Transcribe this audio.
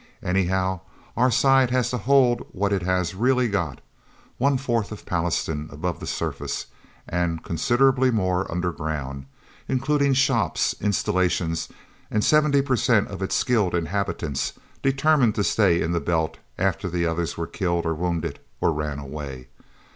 Anyhow, our side has to hold what it has really got one fourth of Pallastown above the surface, and considerably more underground, including shops, installations, and seventy per cent of its skilled inhabitants, determined to stay in the Belt after the others were killed or wounded, or ran away.